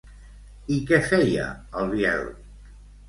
I què feia el Biel?